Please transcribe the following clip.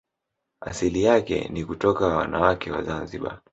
Asili yake ni ni kutoka wanawake wa Zanzibar